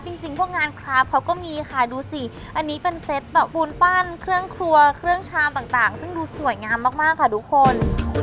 จริงพวกงานคราฟเขาก็มีค่ะดูสิอันนี้เป็นเซตแบบปูนปั้นเครื่องครัวเครื่องชามต่างซึ่งดูสวยงามมากค่ะทุกคน